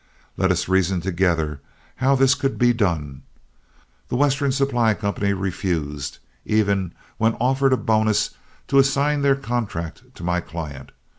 Let us reason together how this could be done. The Western Supply Company refused, even when offered a bonus, to assign their contract to my client.